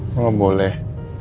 kok gak boleh